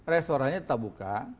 restorannya tetap buka